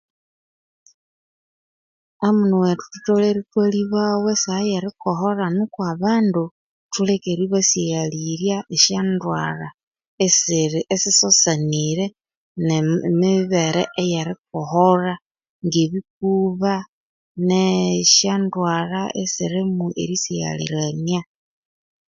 Amanu bwethu tutolere itwalibaghu asaha eyerikoholha noko abandu tuleke eribasighalirya esyandwalha esyebikuba nesindi ndwalha